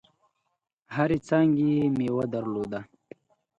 هرې څانګي یې مېوه درلوده .